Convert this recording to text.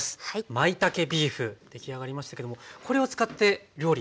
まいたけビーフ出来上がりましたけどもこれを使って料理